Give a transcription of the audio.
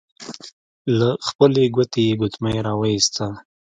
له خپلې ګوتې يې ګوتمۍ را وايسته.